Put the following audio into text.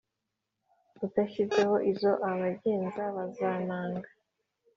udashyizeho izo abagenza bazanaga